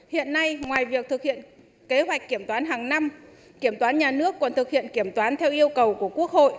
hiện nay ngoài việc thực hiện kế hoạch kiểm toán hàng năm kiểm toán nhà nước còn thực hiện kiểm toán theo yêu cầu của quốc hội